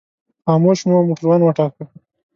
خاموش مو موټروان وټاکه.